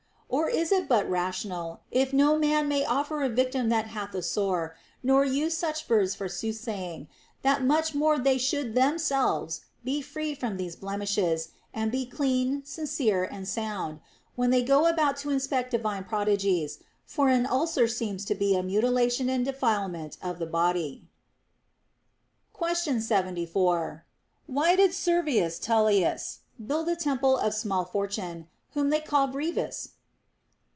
Or it is but rational, if no man may offer a victim that hath a sore, nor use such birds for soothsaying, that much more they should themselves be free from these blemishes, and be clean, sincere, and iound, when they go about to inspect THE ROMAN QUESTIONS. 243 divine prodigies ; for an ulcer seems to be a mutilation and defilement of the body. Question 74. Why did Servius Tullius build a temple of Small Fortune, whom they call Brevis